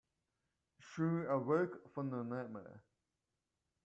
She awoke from the nightmare.